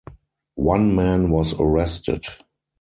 One man was arrested.